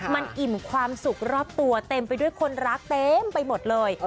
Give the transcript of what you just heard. มันอิ่มความสุขรอบตัวเต็มไปด้วยคนรักเต็มไปหมดเลย